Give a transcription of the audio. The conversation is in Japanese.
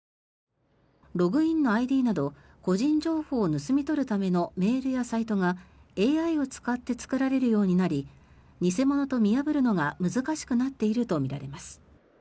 ログインのＩＤなど個人情報を盗み取るためのメールやサイトがＡＩを使って作られるようになり偽物と見破るのが難しくなっているとみられます。